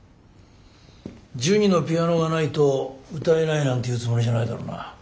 「ジュニのピアノがないと歌えない」なんて言うつもりじゃないだろうな。